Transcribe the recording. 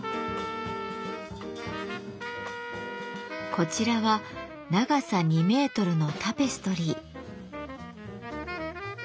こちらは長さ２メートルのタペストリー。